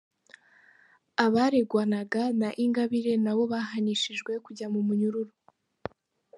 Abareganwaga na Ingabire na bo bahanishijwe kujya mu munyururu